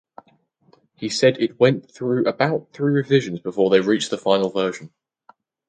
He said it went through about three revisions before they reached the final version.